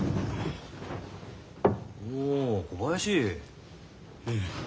おお小林。